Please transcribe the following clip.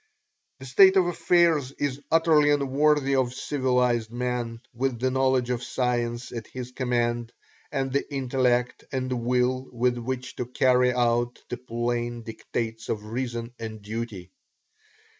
This state of affairs is utterly unworthy of civilized man with the knowledge of science at his command, and the intellect and will with which to carry out the plain dictates of reason and duty.